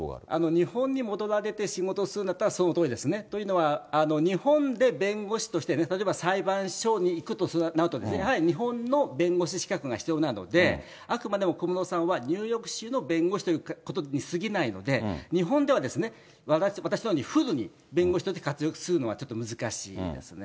日本に戻られて仕事するんだったら、そのとおりですね。というのは、日本で弁護士としてね、例えば裁判所に行くとなると、やはり日本の弁護士資格が必要なので、あくまでも小室さんはニューヨーク市の弁護士ということにすぎないので、日本では、私のようにフルに弁護士として活躍するのはちょっと難しいですね。